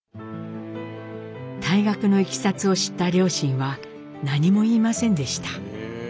退学のいきさつを知った両親は何も言いませんでした。